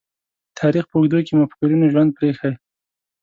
تاریخ په اوږدو کې مُفکرینو ژوند پريښی.